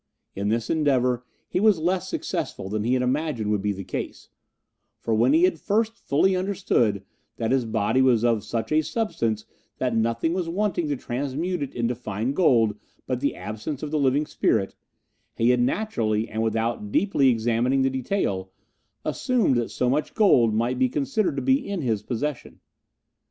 In this endeavour he was less successful than he had imagined would be the case, for when he had first fully understood that his body was of such a substance that nothing was wanting to transmute it into fine gold but the absence of the living spirit, he had naturally, and without deeply examining the detail, assumed that so much gold might be considered to be in his possession.